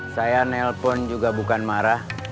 saya nelpon juga bukan marah